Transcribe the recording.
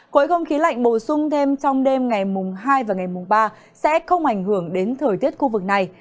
khối không khí lạnh bổ sung thêm trong đêm ngày mùng hai và ngày mùng ba sẽ không ảnh hưởng đến thời tiết khu vực này